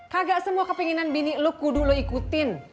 kagak semua kepinginan bini lo kudu lo ikutin